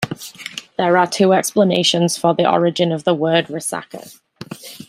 There are two explanations for the origin of the word resaca.